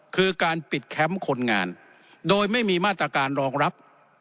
คือการปิดแคมป์คนงานโดยไม่มีมาตรการรองรับ